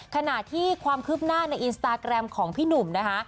ขณะที่ความคืบหน้าในอินสตาแกรมของพี่หนุ่มนะคะ